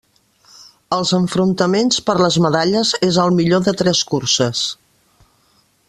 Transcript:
Els enfrontaments per les medalles és al millor de tres curses.